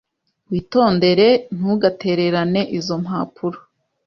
Witondere. Ntugatererane izo mpapuro.